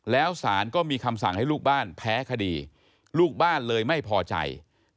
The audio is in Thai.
แล้วสารก็มีคำสั่งให้ลูกบ้านแพ้คดีลูกบ้านเลยไม่พอใจ